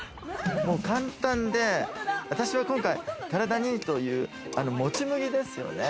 簡単で私は今回、体に良いというもち麦ですね。